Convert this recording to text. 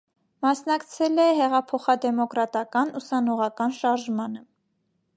Մասնակցել է հեղափոխադեմոկրատական, ուսանողական շարժմանը։